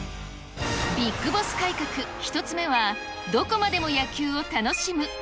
ビッグボス改革、１つ目は、どこまでも野球を楽しむ！